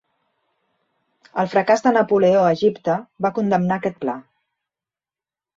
El fracàs de Napoleó a Egipte va condemnar aquest pla.